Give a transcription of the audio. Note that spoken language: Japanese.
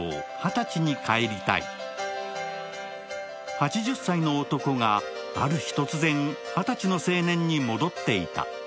８０歳の男がある日突然、二十歳の青年に戻っていた。